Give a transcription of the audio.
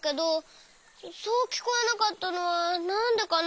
そうきこえなかったのはなんでかな？